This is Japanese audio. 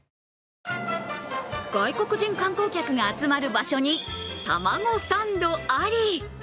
外国人観光客が集まる場所にタマゴサンドあり。